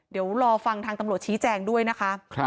เดี๋ยวรอฟังทางตำรวจชี้แจงด้วยนะคะ